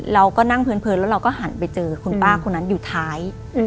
เราก็นั่งเพลินแล้วเราก็หันไปเจอคุณป้าคนนั้นอยู่ท้าย